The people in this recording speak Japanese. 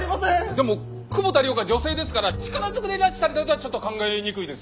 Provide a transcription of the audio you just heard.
でも久保田涼子は女性ですから力ずくで拉致されたとはちょっと考えにくいです。